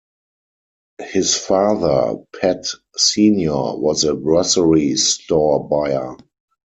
His father, Pat Senior was a grocery store buyer.